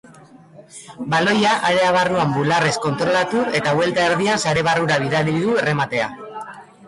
Baloia area barruan bularrez kontrolatu eta buelta erdian sare barrura bidali du errematea.